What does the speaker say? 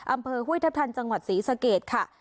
อำเภอหุ้ยทัพทันจังหวัดศรีสะเกดค่ะ